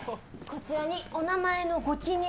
こちらにお名前のご記入を。